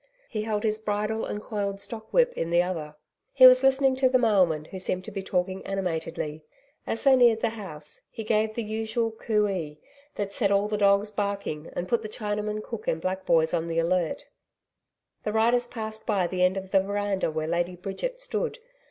He held his bridle and coiled stock whip in the other. He was listening to the mailman, who seemed to be talking animatedly. As they neared the house, he gave the usual COO EE, that set all the dogs barking, and put the Chinaman cook and black boys on the alert. The riders passed by the end of the veranda where Lady Bridget stood.